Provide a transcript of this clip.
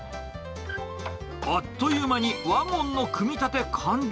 あっという間にワゴンの組み立て完了。